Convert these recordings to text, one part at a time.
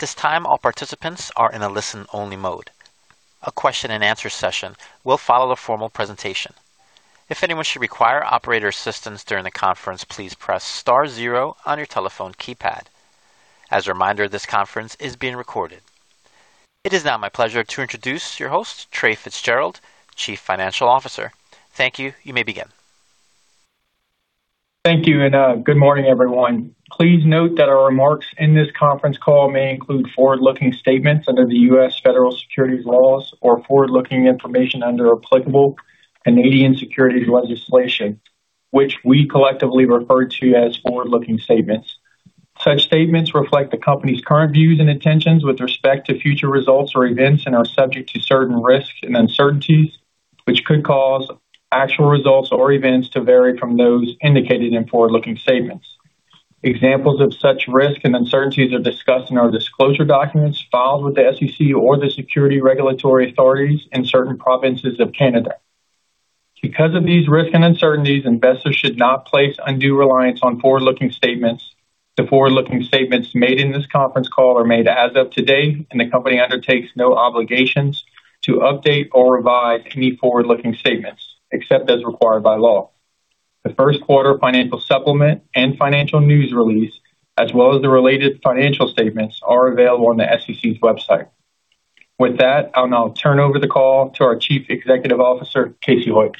At this time all paticipants are in only-listen mode. A question-and-answer session will follow a formal presentation. If anyone should require an operator assistance please press star zero on your telephone keypad, as a reminder this conferene is being recorded. It is now my pleasure to introduce your host, Trae Fitzgerald, Chief Financial Officer. Thank you. You may begin. Thank you, good morning, everyone. Please note that our remarks in this conference call may include forward-looking statements under the U.S. Federal Securities laws or forward-looking information under applicable Canadian securities legislation, which we collectively refer to as "forward-looking statements." Such statements reflect the company's current views and intentions with respect to future results or events and are subject to certain risks and uncertainties, which could cause actual results or events to vary from those indicated in forward-looking statements. Examples of such risks and uncertainties are discussed in our disclosure documents filed with the SEC or the security regulatory authorities in certain provinces of Canada. Because of these risks and uncertainties, investors should not place undue reliance on forward-looking statements. The forward-looking statements made in this conference call are made as of today, and the company undertakes no obligations to update or revise any forward-looking statements, except as required by law. The first quarter financial supplement and financial news release, as well as the related financial statements, are available on the SEC's website. With that, I'll now turn over the call to our Chief Executive Officer, Casey Hoyt.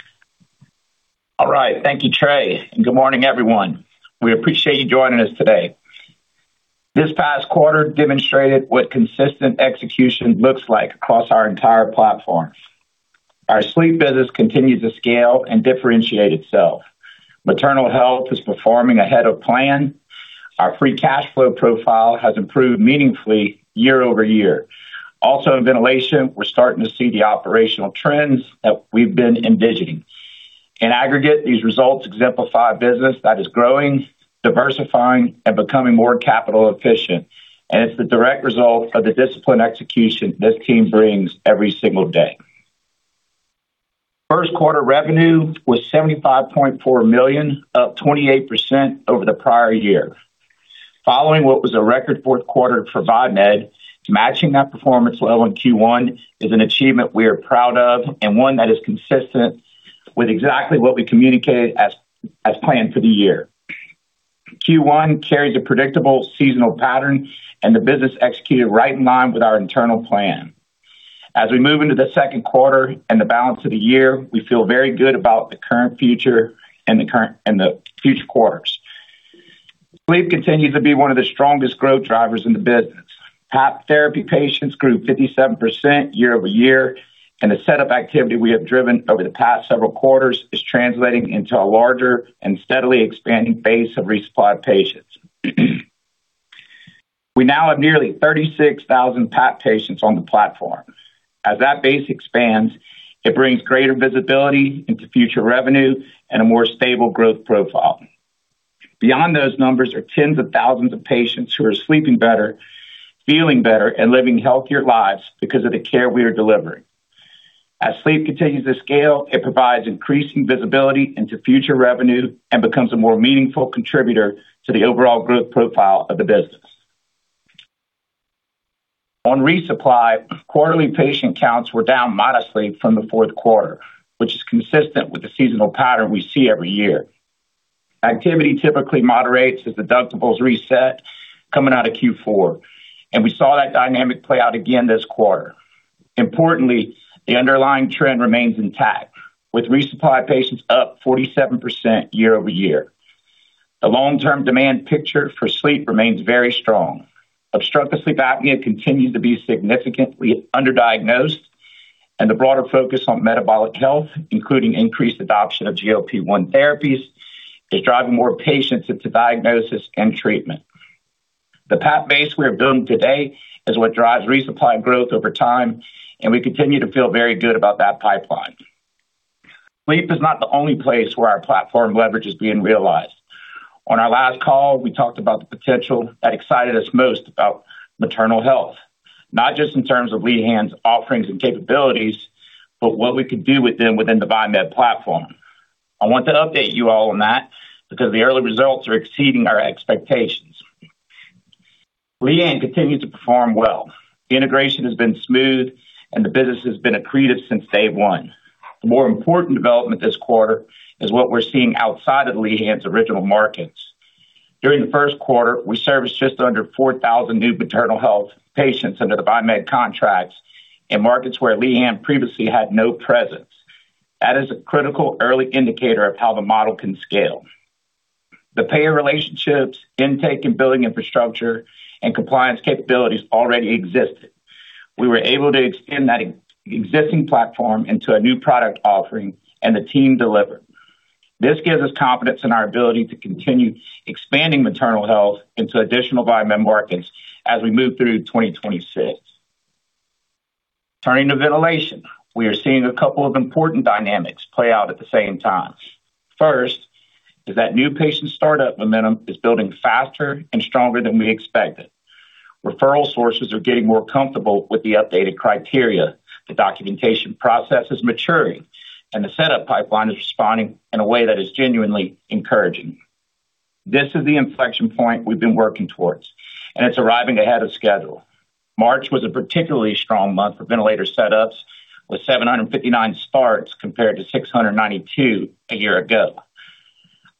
All right. Thank you, Trae, and good morning, everyone. We appreciate you joining us today. This past quarter demonstrated what consistent execution looks like across our entire platform. Our sleep business continues to scale and differentiate itself. Maternal health is performing ahead of plan. Our free cash flow profile has improved meaningfully year-over-year. Also, in ventilation, we're starting to see the operational trends that we've been envisioning. In aggregate, these results exemplify a business that is growing, diversifying, and becoming more capital efficient, and it's the direct result of the disciplined execution this team brings every single day. First quarter revenue was $75.4 million, up 28% over the prior year. Following what was a record fourth quarter for Viemed, matching that performance level in Q1 is an achievement we are proud of and one that is consistent with exactly what we communicated as planned for the year. Q1 carries a predictable seasonal pattern. The business executed right in line with our internal plan. As we move into the second quarter and the balance of the year, we feel very good about the current and the future quarters. Sleep continues to be one of the strongest growth drivers in the business. PAP therapy patients grew 57% year-over-year, and the set-up activity we have driven over the past several quarters is translating into a larger and steadily expanding base of resupply patients. We now have nearly 36,000 PAP patients on the platform. As that base expands, it brings greater visibility into future revenue and a more stable growth profile. Beyond those numbers are tens of thousands of patients who are sleeping better, feeling better, and living healthier lives because of the care we are delivering. As sleep continues to scale, it provides increasing visibility into future revenue and becomes a more meaningful contributor to the overall growth profile of the business. On resupply, quarterly patient counts were down modestly from the fourth quarter, which is consistent with the seasonal pattern we see every year. Activity typically moderates as deductibles reset coming out of Q4, and we saw that dynamic play out again this quarter. Importantly, the underlying trend remains intact, with resupply patients up 47% year-over-year. The long-term demand picture for sleep remains very strong. Obstructive sleep apnea continues to be significantly underdiagnosed, and the broader focus on metabolic health, including increased adoption of GLP-1 therapies, is driving more patients into diagnosis and treatment. The PAP base we are building today is what drives resupply growth over time, and we continue to feel very good about that pipeline. Sleep is not the only place where our platform leverage is being realized. On our last call, we talked about the potential that excited us most about maternal health, not just in terms of Lehan's offerings and capabilities, but what we could do with them within the Viemed platform. I want to update you all on that because the early results are exceeding our expectations. Lehan continued to perform well. The integration has been smooth, and the business has been accretive since day one. The more important development this quarter is what we're seeing outside of Lehan's original markets. During the first quarter, we serviced just under 4,000 new maternal health patients under the Viemed contracts in markets where Lehan previously had no presence. That is a critical early indicator of how the model can scale. The payer relationships, intake and billing infrastructure, and compliance capabilities already existed. We were able to extend that existing platform into a new product offering, and the team delivered. This gives us confidence in our ability to continue expanding maternal health into additional Viemed markets as we move through 2026. Turning to ventilation, we are seeing a couple of important dynamics play out at the same time. First is that new patient startup momentum is building faster and stronger than we expected. Referral sources are getting more comfortable with the updated criteria. The documentation process is maturing. The setup pipeline is responding in a way that is genuinely encouraging. This is the inflection point we've been working towards, and it's arriving ahead of schedule. March was a particularly strong month for ventilator setups, with 759 starts compared to 692 a year ago.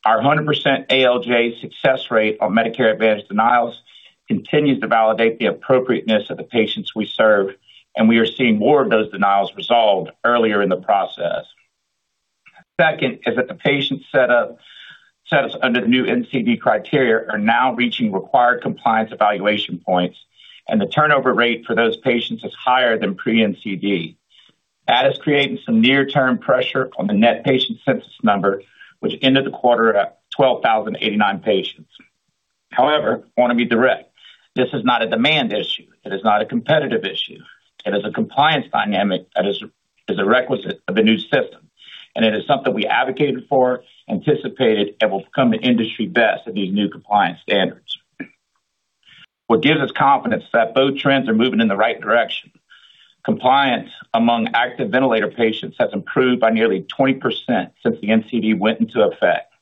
Our 100% ALJ success rate on Medicare Advantage denials continues to validate the appropriateness of the patients we serve, and we are seeing more of those denials resolved earlier in the process. Second is that the patient setups under the new NCD criteria are now reaching required compliance evaluation points, and the turnover rate for those patients is higher than pre-NCD. That is creating some near-term pressure on the net patient census number, which ended the quarter at 12,089 patients. I wanna be direct. This is not a demand issue. It is not a competitive issue. It is a compliance dynamic that is a requisite of the new system, and it is something we advocated for, anticipated, and will become the industry best in these new compliance standards. What gives us confidence that both trends are moving in the right direction, compliance among active ventilator patients has improved by nearly 20% since the NCD went into effect.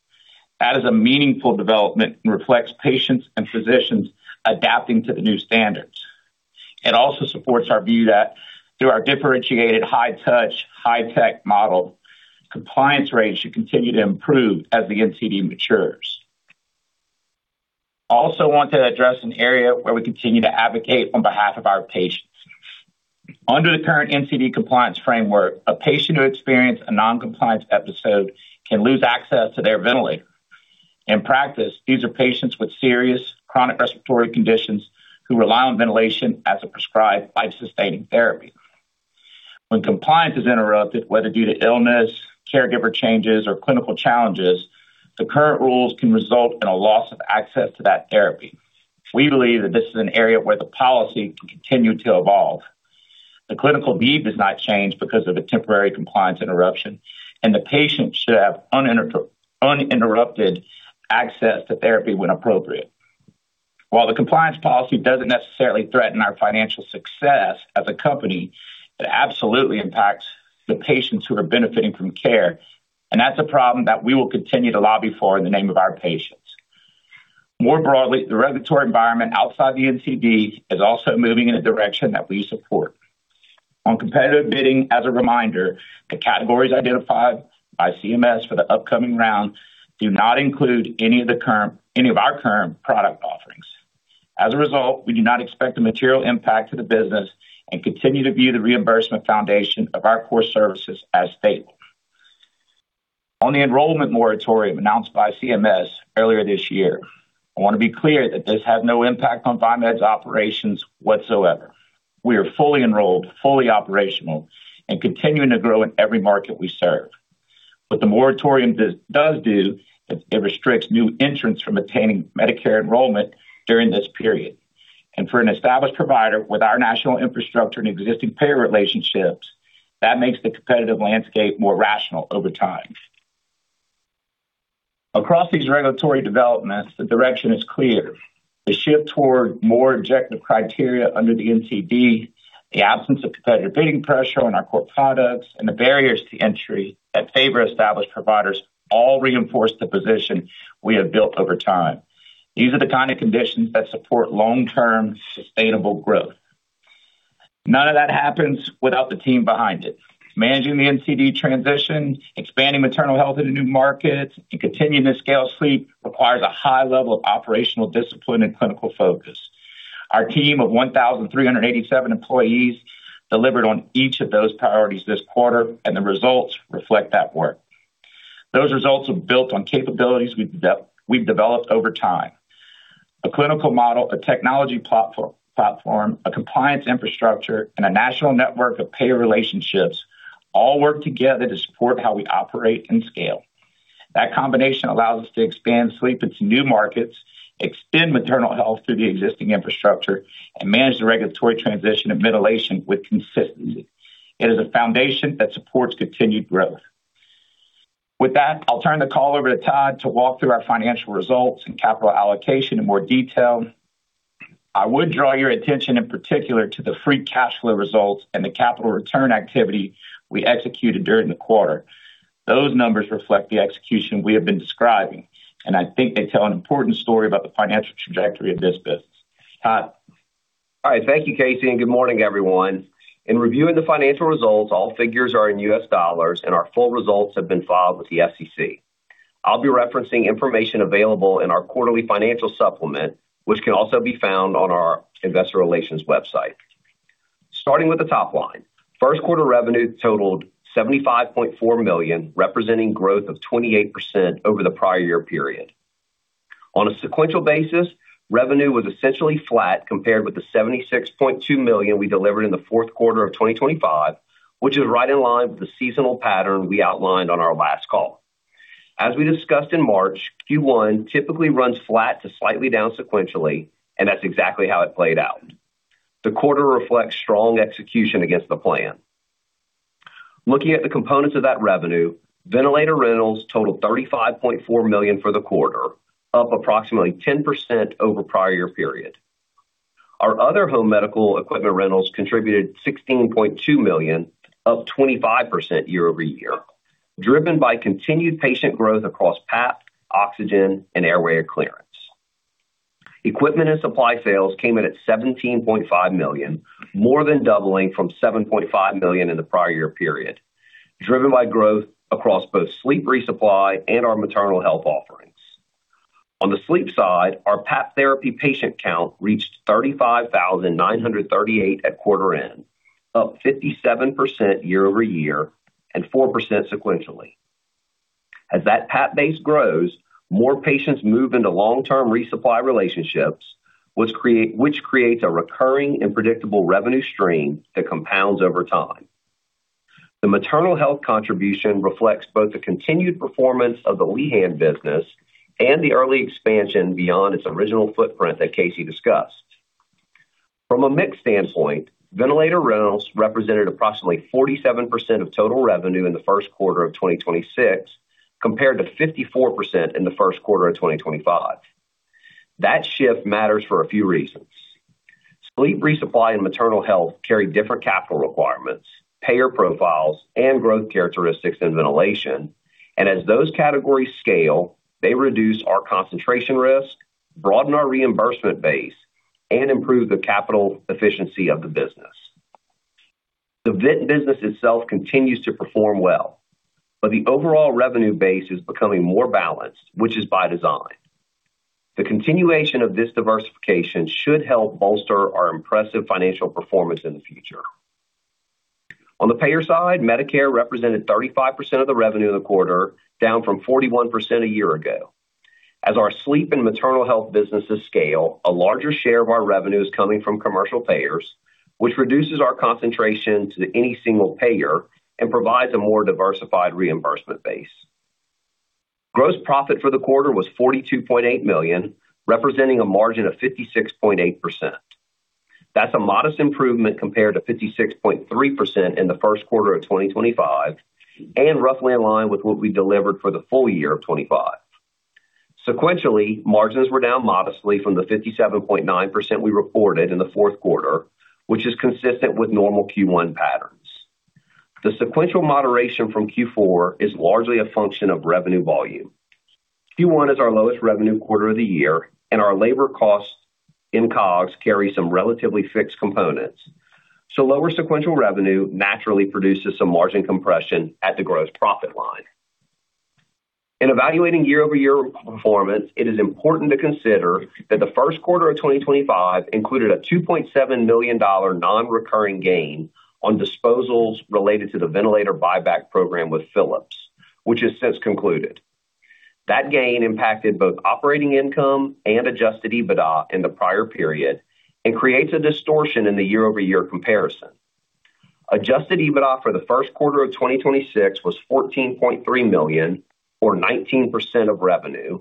That is a meaningful development and reflects patients and physicians adapting to the new standards. It also supports our view that through our differentiated high touch, high tech model, compliance rates should continue to improve as the NCD matures. I also want to address an area where we continue to advocate on behalf of our patients. Under the current NCD compliance framework, a patient who experienced a non-compliance episode can lose access to their ventilator. In practice, these are patients with serious chronic respiratory conditions who rely on ventilation as a prescribed life-sustaining therapy. When compliance is interrupted, whether due to illness, caregiver changes, or clinical challenges, the current rules can result in a loss of access to that therapy. We believe that this is an area where the policy can continue to evolve. The clinical need does not change because of a temporary compliance interruption, and the patient should have uninterrupted access to therapy when appropriate. While the compliance policy doesn't necessarily threaten our financial success as a company, it absolutely impacts the patients who are benefiting from care, and that's a problem that we will continue to lobby for in the name of our patients. More broadly, the regulatory environment outside the NCD is also moving in a direction that we support. On competitive bidding, as a reminder, the categories identified by CMS for the upcoming round do not include any of our current product offerings. As a result, we do not expect a material impact to the business and continue to view the reimbursement foundation of our core services as stable. On the enrollment moratorium announced by CMS earlier this year, I wanna be clear that this had no impact on Viemed's operations whatsoever. We are fully enrolled, fully operational, and continuing to grow in every market we serve. What the moratorium does do is it restricts new entrants from obtaining Medicare enrollment during this period. For an established provider with our national infrastructure and existing payer relationships, that makes the competitive landscape more rational over time. Across these regulatory developments, the direction is clear. The shift toward more objective criteria under the NCD, the absence of competitive bidding pressure on our core products, and the barriers to entry that favor established providers all reinforce the position we have built over time. These are the kind of conditions that support long-term sustainable growth. None of that happens without the team behind it. Managing the NCD transition, expanding maternal health into new markets, and continuing to scale sleep requires a high level of operational discipline and clinical focus. Our team of 1,387 employees delivered on each of those priorities this quarter, and the results reflect that work. Those results are built on capabilities we've developed over time. A clinical model, a technology platform, a compliance infrastructure, and a national network of payer relationships all work together to support how we operate and scale. That combination allows us to expand Sleep into new markets, extend maternal health through the existing infrastructure, and manage the regulatory transition of ventilation with consistency. It is a foundation that supports continued growth. With that, I'll turn the call over to Todd to walk through our financial results and capital allocation in more detail. I would draw your attention in particular to the free cash flow results and the capital return activity we executed during the quarter. Those numbers reflect the execution we have been describing, and I think they tell an important story about the financial trajectory of this business. Todd? All right. Thank you, Casey, and good morning, everyone. In reviewing the financial results, all figures are in U.S. dollars, and our full results have been filed with the SEC. I'll be referencing information available in our quarterly financial supplement, which can also be found on our investor relations website. Starting with the top line, first quarter revenue totaled $75.4 million, representing growth of 28% over the prior year period. On a sequential basis, revenue was essentially flat compared with the $76.2 million we delivered in the fourth quarter of 2025, which is right in line with the seasonal pattern we outlined on our last call. As we discussed in March, Q1 typically runs flat to slightly down sequentially, and that's exactly how it played out. The quarter reflects strong execution against the plan. Looking at the components of that revenue, ventilator rentals totaled $35.4 million for the quarter, up approximately 10% over prior-year period. Our other home medical equipment rentals contributed $16.2 million, up 25% year-over-year, driven by continued patient growth across PAP, oxygen, and airway clearance. Equipment and supply sales came in at $17.5 million, more than doubling from $7.5 million in the prior-year period, driven by growth across both sleep resupply and our maternal health offerings. On the sleep side, our PAP therapy patient count reached 35,938 at quarter end, up 57% year-over-year and 4% sequentially. As that PAP base grows, more patients move into long-term resupply relationships, which creates a recurring and predictable revenue stream that compounds over time. The maternal health contribution reflects both the continued performance of the Lehan business and the early expansion beyond its original footprint that Casey discussed. From a mix standpoint, ventilator rentals represented approximately 47% of total revenue in the first quarter of 2026, compared to 54% in the first quarter of 2025. That shift matters for a few reasons. Sleep resupply and maternal health carry different capital requirements, payer profiles, and growth characteristics than ventilation. As those categories scale, they reduce our concentration risk, broaden our reimbursement base, and improve the capital efficiency of the business. The vent business itself continues to perform well, but the overall revenue base is becoming more balanced, which is by design. The continuation of this diversification should help bolster our impressive financial performance in the future. On the payer side, Medicare represented 35% of the revenue in the quarter, down from 41% a year ago. As our sleep and maternal health businesses scale, a larger share of our revenue is coming from commercial payers, which reduces our concentration to any single payer and provides a more diversified reimbursement base. Gross profit for the quarter was $42.8 million, representing a margin of 56.8%. That's a modest improvement compared to 56.3% in the first quarter of 2025 and roughly in line with what we delivered for the full year of 2025. Sequentially, margins were down modestly from the 57.9% we reported in the fourth quarter, which is consistent with normal Q1 patterns. The sequential moderation from Q4 is largely a function of revenue volume. Q1 is our lowest revenue quarter of the year, and our labor costs in COGS carry some relatively fixed components. Lower sequential revenue naturally produces some margin compression at the gross profit line. In evaluating year-over-year performance, it is important to consider that the first quarter of 2025 included a $2.7 million non-recurring gain on disposals related to the ventilator buyback program with Philips, which has since concluded. That gain impacted both operating income and Adjusted EBITDA in the prior period and creates a distortion in the year-over-year comparison. Adjusted EBITDA for the first quarter of 2026 was $14.3 million or 19% of revenue,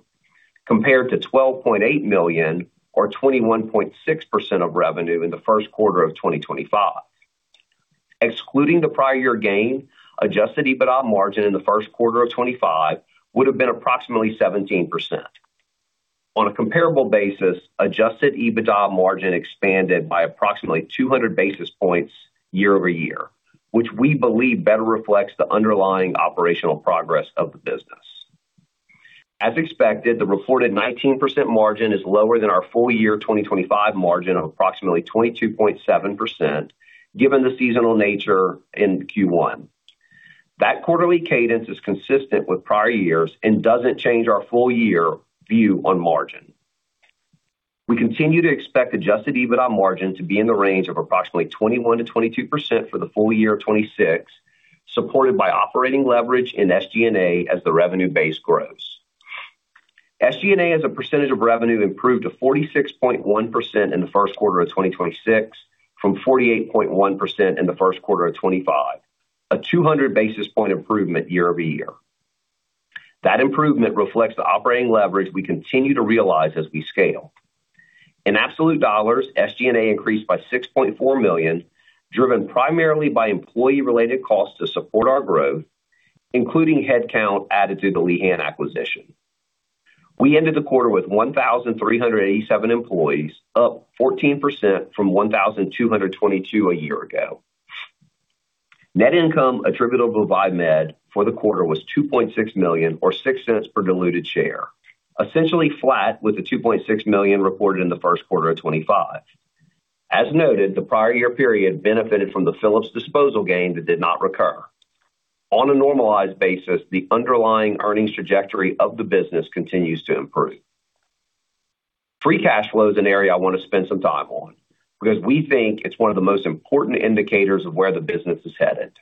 compared to $12.8 million or 21.6% of revenue in the first quarter of 2025. Excluding the prior year gain, Adjusted EBITDA margin in the first quarter of 2025 would have been approximately 17%. On a comparable basis, Adjusted EBITDA margin expanded by approximately 200 basis points year-over-year, which we believe better reflects the underlying operational progress of the business. As expected, the reported 19% margin is lower than our full year 2025 margin of approximately 22.7%, given the seasonal nature in Q1. That quarterly cadence is consistent with prior years and doesn't change our full year view on margin. We continue to expect Adjusted EBITDA margin to be in the range of approximately 21%-22% for the full year of 2026, supported by operating leverage in SG&A as the revenue base grows. SG&A as a percentage of revenue improved to 46.1% in the first quarter of 2026 from 48.1% in the first quarter of 2025, a 200 basis point improvement year-over-year. That improvement reflects the operating leverage we continue to realize as we scale. In absolute dollars, SG&A increased by $6.4 million, driven primarily by employee-related costs to support our growth, including headcount added to the Lehan business. We ended the quarter with 1,387 employees, up 14% from 1,222 a year ago. Net income attributable to Viemed for the quarter was $2.6 million or $0.06 per diluted share, essentially flat with the $2.6 million reported in the first quarter of 2025. As noted, the prior year period benefited from the Philips disposal gain that did not recur. On a normalized basis, the underlying earnings trajectory of the business continues to improve. Free cash flow is an area I want to spend some time on because we think it's one of the most important indicators of where the business is headed.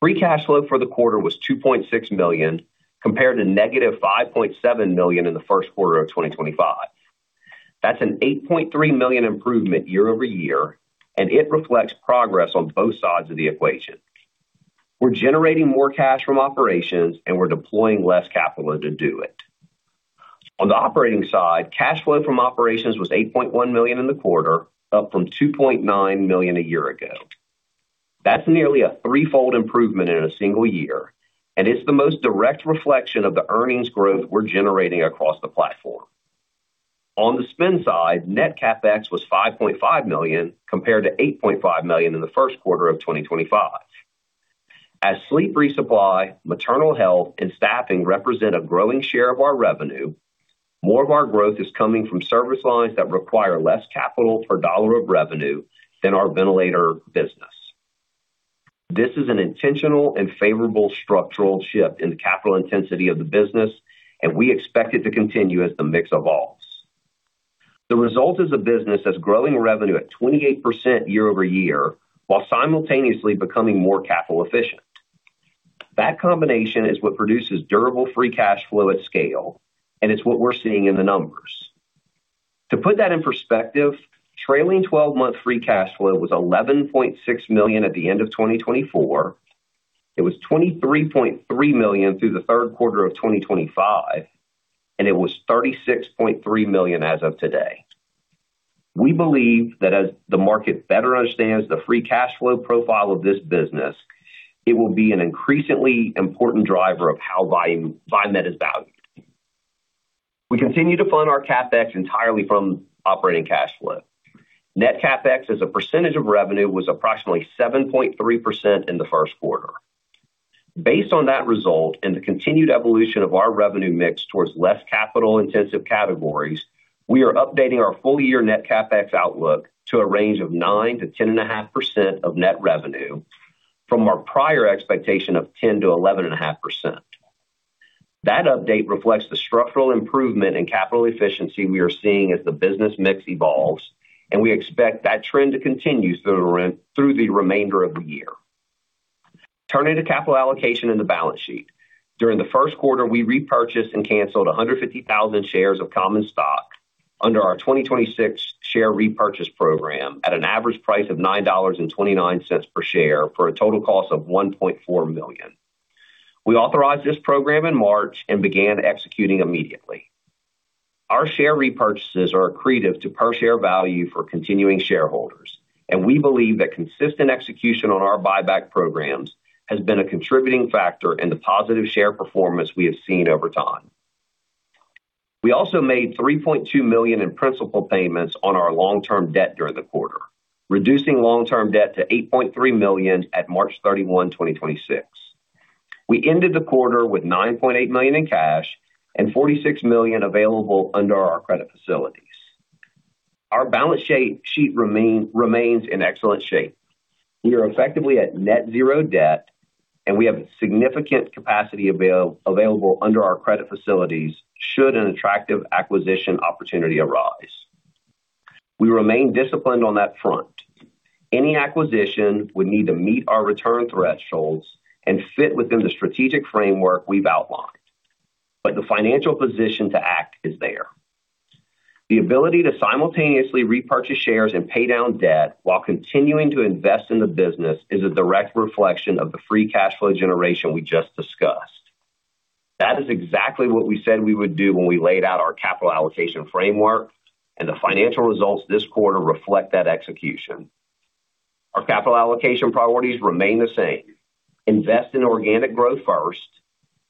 Free cash flow for the quarter was $2.6 million, compared to -$5.7 million in the first quarter of 2025. That's an $8.3 million improvement year-over-year, and it reflects progress on both sides of the equation. We're generating more cash from operations, and we're deploying less capital to do it. On the operating side, cash flow from operations was $8.1 million in the quarter, up from $2.9 million a year ago. That's nearly a threefold improvement in a single year, and it's the most direct reflection of the earnings growth we're generating across the platform. On the spend side, net CapEx was $5.5 million, compared to $8.5 million in the first quarter of 2025. As sleep resupply, maternal health, and staffing represent a growing share of our revenue, more of our growth is coming from service lines that require less capital per dollar of revenue than our ventilator business. This is an intentional and favorable structural shift in the capital intensity of the business, and we expect it to continue as the mix evolves. The result is a business that's growing revenue at 28% year-over-year while simultaneously becoming more capital efficient. That combination is what produces durable free cash flow at scale, and it's what we're seeing in the numbers. To put that in perspective, trailing 12-month free cash flow was $11.6 million at the end of 2024. It was $23.3 million through the third quarter of 2025, and it was $36.3 million as of today. We believe that as the market better understands the free cash flow profile of this business, it will be an increasingly important driver of how Viemed is valued. We continue to fund our CapEx entirely from operating cash flow. Net CapEx as a percentage of revenue was approximately 7.3% in the first quarter. Based on that result and the continued evolution of our revenue mix towards less capital-intensive categories, we are updating our full-year net CapEx outlook to a range of 9%-10.5% of net revenue from our prior expectation of 10%-11.5%. That update reflects the structural improvement in capital efficiency we are seeing as the business mix evolves, and we expect that trend to continue through the remainder of the year. Turning to capital allocation and the balance sheet. During Q1, we repurchased and canceled 150,000 shares of common stock under our 2026 share repurchase program at an average price of $9.29 per share for a total cost of $1.4 million. We authorized this program in March and began executing immediately. Our share repurchases are accretive to per-share value for continuing shareholders, and we believe that consistent execution on our buyback programs has been a contributing factor in the positive share performance we have seen over time. We also made $3.2 million in principal payments on our long-term debt during the quarter, reducing long-term debt to $8.3 million at March 31, 2026. We ended the quarter with $9.8 million in cash and $46 million available under our credit facilities. Our balance sheet remains in excellent shape. We are effectively at net zero debt, and we have significant capacity available under our credit facilities should an attractive acquisition opportunity arise. We remain disciplined on that front. Any acquisition would need to meet our return thresholds and fit within the strategic framework we've outlined, but the financial position to act is there. The ability to simultaneously repurchase shares and pay down debt while continuing to invest in the business is a direct reflection of the free cash flow generation we just discussed. That is exactly what we said we would do when we laid out our capital allocation framework, and the financial results this quarter reflect that execution. Our capital allocation priorities remain the same: Invest in organic growth first,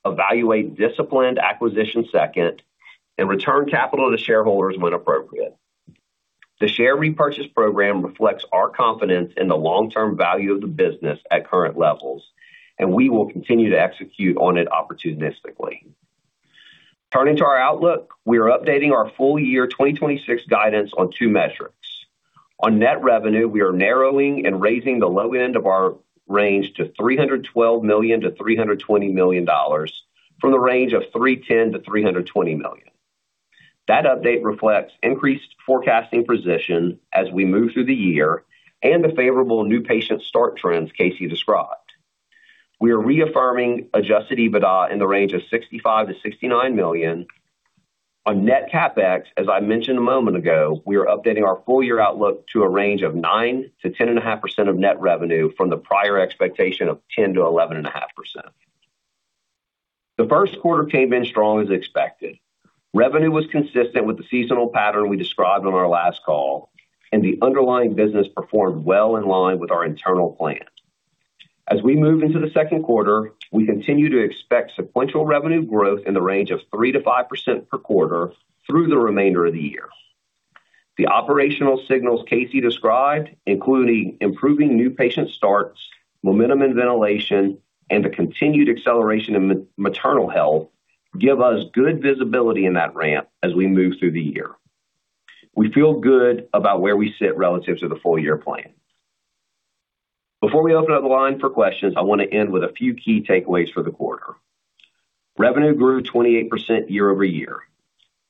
evaluate disciplined acquisition second, and return capital to shareholders when appropriate. The share repurchase program reflects our confidence in the long-term value of the business at current levels, and we will continue to execute on it opportunistically. Turning to our outlook. We are updating our full-year 2026 guidance on 2 metrics. On net revenue, we are narrowing and raising the low end of our range to $312 million-$320 million from the range of $310 million-$320 million. That update reflects increased forecasting precision as we move through the year and the favorable new patient start trends Casey described. We are reaffirming Adjusted EBITDA in the range of $65 million-$69 million. On net CapEx, as I mentioned a moment ago, we are updating our full-year outlook to a range of 9%-10.5% of net revenue from the prior expectation of 10%-11.5%. The first quarter came in strong as expected. Revenue was consistent with the seasonal pattern we described on our last call, and the underlying business performed well in line with our internal plan. As we move into the second quarter, we continue to expect sequential revenue growth in the range of 3%-5% per quarter through the remainder of the year. The operational signals Casey Hoyt described, including improving new patient starts, momentum in ventilation, and the continued acceleration in maternal health, give us good visibility in that ramp as we move through the year. We feel good about where we sit relative to the full-year plan. Before we open up the line for questions, I want to end with a few key takeaways for the quarter. Revenue grew 28% year-over-year.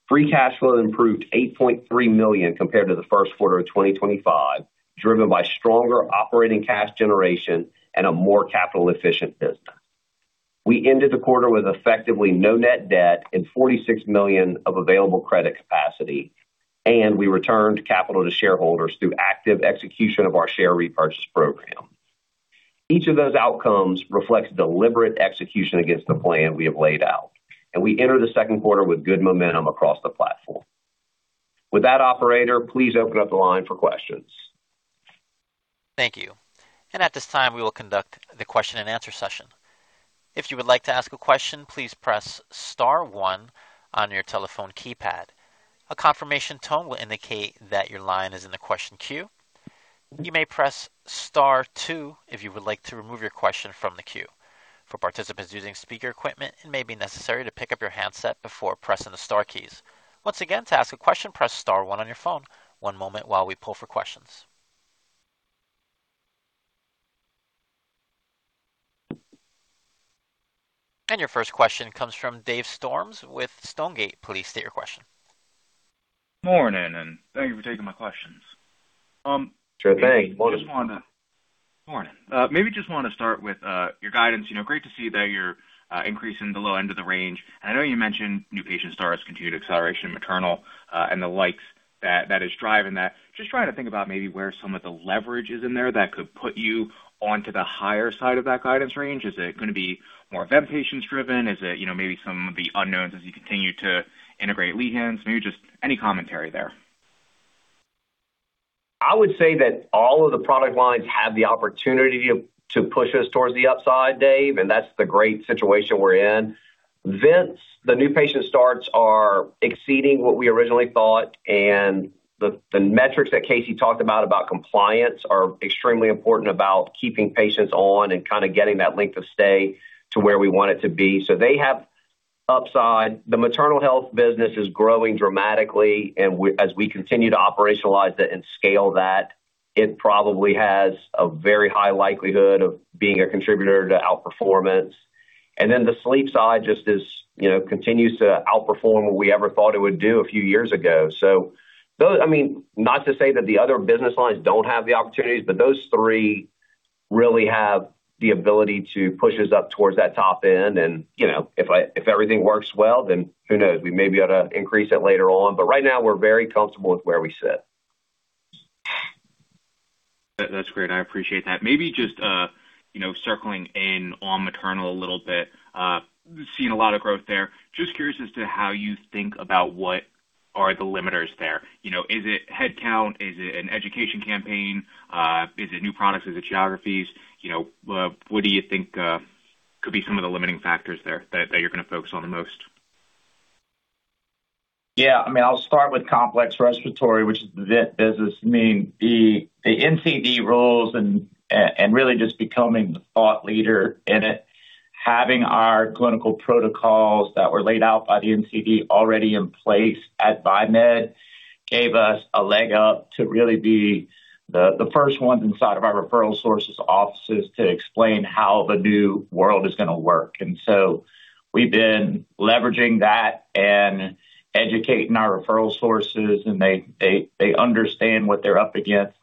Free cash flow improved $8.3 million compared to the 1st quarter of 2025, driven by stronger operating cash generation and a more capital-efficient business. We ended the quarter with effectively no net debt and $46 million of available credit capacity, and we returned capital to shareholders through active execution of our share repurchase program. Each of those outcomes reflects deliberate execution against the plan we have laid out, and we enter the second quarter with good momentum across the Viemed platform. With that, operator, please open up the line for questions. Thank you. At this time, we will conduct the question and answer session. If you would like to ask a question, please press star one on your telephone keypad. A confirmation tone will indicate that your line is in the question queue. You may press star two if you would like to remove your question from the queue. For participants using speaker equipment, it may be necessary to pick up your handset before pressing the star keys. Once again, to ask a question, press star one on your phone. One moment while we pull for questions. Your first question comes from Dave Storms with Stonegate. Please state your question. Morning. Thank you for taking my questions. Sure thing. Morning. Morning. Maybe just want to start with your guidance. You know, great to see that you're increasing the low end of the range. I know you mentioned new patient starts, continued acceleration in maternal, and the likes that is driving that. Just trying to think about maybe where some of the leverage is in there that could put you onto the higher side of that guidance range. Is it gonna be more vent patients driven? Is it, you know, maybe some of the unknowns as you continue to integrate Lehan's? Maybe just any commentary there. I would say that all of the product lines have the opportunity to push us towards the upside, Dave Storms, and that's the great situation we're in. Vents, the new patient starts are exceeding what we originally thought, and the metrics that Casey Hoyt talked about compliance are extremely important about keeping patients on and kind of getting that length of stay to where we want it to be. They have upside. The maternal health business is growing dramatically, as we continue to operationalize it and scale that, it probably has a very high likelihood of being a contributor to outperformance. The sleep side just is, you know, continues to outperform what we ever thought it would do a few years ago. I mean, not to say that the other business lines don't have the opportunities, but those three really have the ability to push us up towards that top end. you know, if everything works well, who knows? We may be able to increase it later on, but right now we're very comfortable with where we sit. That's great. I appreciate that. Maybe just, you know, circling in on maternal a little bit. We've seen a lot of growth there. Just curious as to how you think about what are the limiters there. You know, is it headcount? Is it an education campaign? Is it new products? Is it geographies? You know, what do you think could be some of the limiting factors there that you're gonna focus on the most? I mean, I'll start with complex respiratory, which is the vent business. I mean, the NCD rules and really just becoming the thought leader in it, having our clinical protocols that were laid out by the NCD already in place at Viemed gave us a leg up to really be the first ones inside of our referral sources offices to explain how the new world is going to work. We've been leveraging that and educating our referral sources, and they understand what they're up against.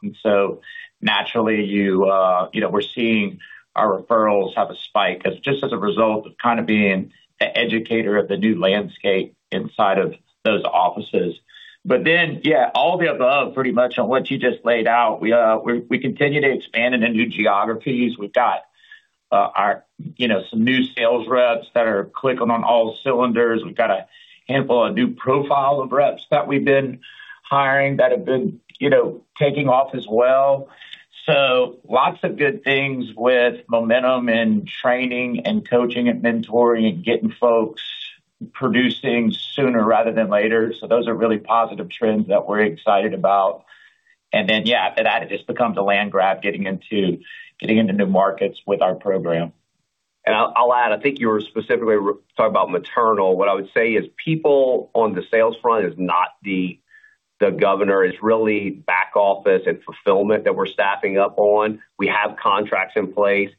Naturally, you know, we're seeing our referrals have a spike just as a result of kind of being the educator of the new landscape inside of those offices. Yeah, all the above pretty much on what you just laid out. We continue to expand into new geographies. We've got our, you know, some new sales reps that are clicking on all cylinders. We've got a handful of new profile of reps that we've been hiring that have been, you know, taking off as well. Lots of good things with momentum and training and coaching and mentoring and getting folks producing sooner rather than later. Those are really positive trends that we're excited about. Yeah, after that, it just becomes a land grab getting into, getting into new markets with our program. I'll add, I think you were specifically talking about maternal. What I would say is people on the sales front is not the governor. It's really back office and fulfillment that we're staffing up on. We have contracts in place,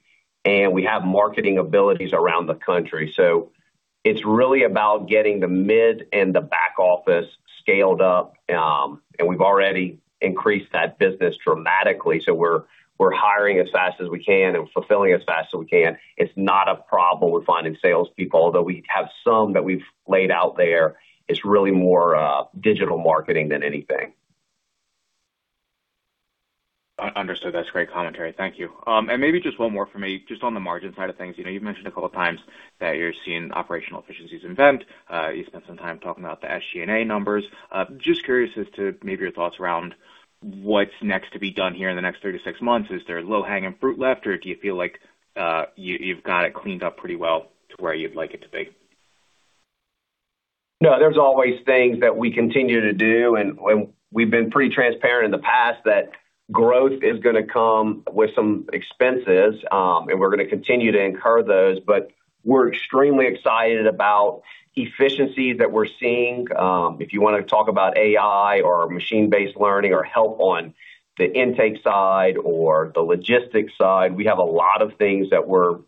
and we have marketing abilities around the country. It's really about getting the mid and the back office scaled up. We've already increased that business dramatically. We're hiring as fast as we can and fulfilling as fast as we can. It's not a problem with finding salespeople, although we have some that we've laid out there. It's really more digital marketing than anything. Understood. That's great commentary. Thank you. Maybe just one more for me, just on the margin side of things. You know, you've mentioned a couple times that you're seeing operational efficiencies in Viemed. You spent some time talking about the SG&A numbers. Just curious as to maybe your thoughts around what's next to be done here in the next 36 months. Is there low-hanging fruit left, or do you feel like you've got it cleaned up pretty well to where you'd like it to be? There's always things that we continue to do, and we've been pretty transparent in the past that growth is gonna come with some expenses, and we're gonna continue to incur those. We're extremely excited about efficiencies that we're seeing. If you wanna talk about AI or machine learning or help on the intake side or the logistics side, we have a lot of things that we're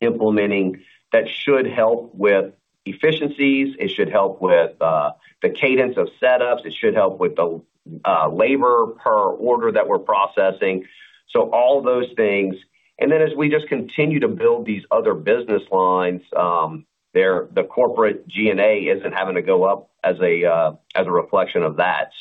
implementing that should help with efficiencies. It should help with the cadence of setups. It should help with the labor per order that we're processing. All those things. As we just continue to build these other business lines, the corporate G&A isn't having to go up as a reflection of that.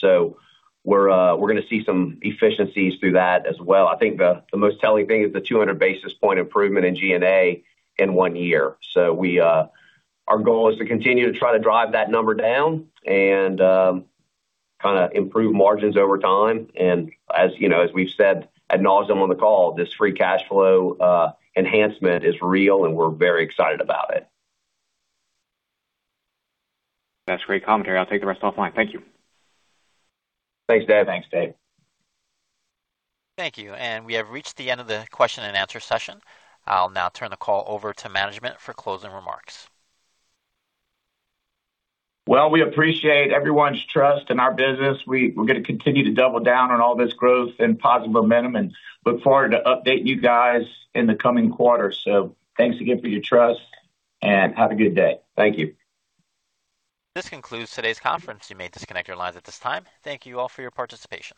We're gonna see some efficiencies through that as well. I think the most telling thing is the 200 basis points improvement in G&A in one year. Our goal is to continue to try to drive that number down and, kind of improve margins over time. As, you know, as we've said ad nauseam on the call, this free cash flow enhancement is real, and we're very excited about it. That's great commentary. I'll take the rest offline. Thank you. Thanks, Dave. Thanks, Dave. Thank you. We have reached the end of the question and answer session. I'll now turn the call over to management for closing remarks. Well, we appreciate everyone's trust in our business. We're gonna continue to double down on all this growth and positive momentum and look forward to update you guys in the coming quarters. Thanks again for your trust and have a good day. Thank you. This concludes today's conference. You may disconnect your lines at this time. Thank you all for your participation.